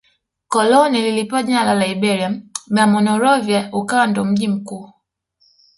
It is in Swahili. Koloni lilipewa jina la Liberia na Monrovia ukawa ndio mji mkuu